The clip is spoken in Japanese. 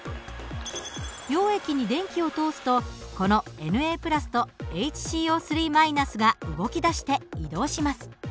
溶液に電気を通すとこのＮａとＨＣＯが動き出して移動します。